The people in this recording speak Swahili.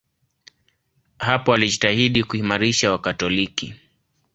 Hapo alijitahidi kuimarisha Wakatoliki.